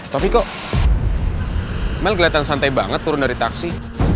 tapi kok mel kelihatan santai banget turun dari taksi